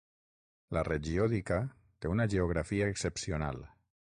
La regió d'Ica té una geografia excepcional.